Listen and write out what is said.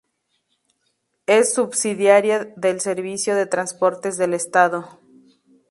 Es subsidiaria del servicio de transportes del Estado.